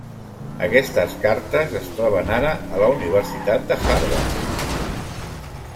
Aquestes cartes es troben ara a la Universitat Harvard.